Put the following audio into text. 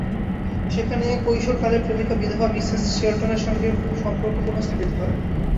সেখানে কৈশোরকালের প্রেমিকা বিধবা মিসেস শেলটনের সঙ্গে সম্পর্ক পুনস্থাপিত হয়।